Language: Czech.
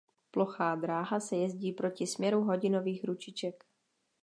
Plochá dráha se jezdí proti směru hodinových ručiček.